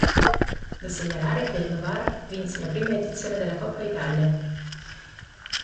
Da segnalare che il Novara vinse la prima edizione della Coppa Italia.